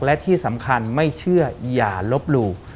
และที่สำคัญไม่เชื่ออย่าลบหลู่